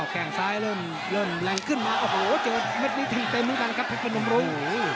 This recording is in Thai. แก่งซ้ายเริ่มแรงขึ้นมาโอ้โหเจอเม็ดนี้แทงเต็มเหมือนกันครับเพชรพนมรุ้ง